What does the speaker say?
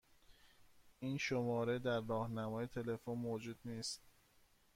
این شماره در راهنمای تلفن موجود نیست.